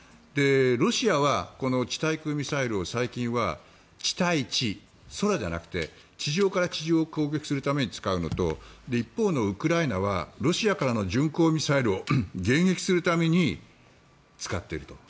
ロシアはこの地対空ミサイルを最近は、地対地空じゃなくて地上から地上を攻撃するために使うのと一方のウクライナはロシアからの巡航ミサイルを迎撃するために使っていると。